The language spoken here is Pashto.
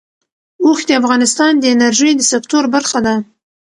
اوښ د افغانستان د انرژۍ د سکتور برخه ده.